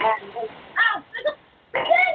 อ้าวแกล้งความแม่จะทำอะไรเบียง